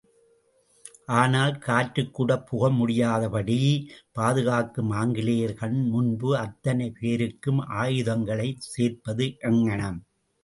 ஆனால் காற்றுக்கூடப் புகமுடியாதபடி பாதுகாக்கும் ஆங்கிலேயர் கண்முன்பு அத்தனை பேருக்கும் ஆயுதங்களைச் சேர்ப்பது எங்ஙனம்?